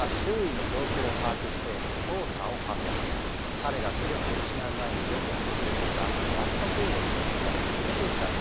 彼が視力を失う前によく訪れていたファストフードの店まで連れて行ったのよ！